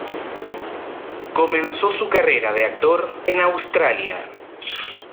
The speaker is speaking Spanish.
Comenzó su carrera de actor en Australia.